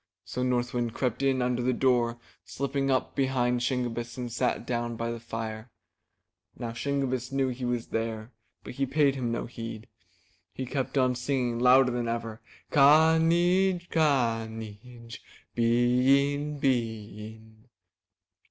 So North Wind crept in under the door, slipped up behind Shingebiss and sat down by the fire. Now Shingebiss knew he was there, but he paid no heed. He kept on singing louder than ever. ''Ka neej ! ka neej ! Bee in, bee in."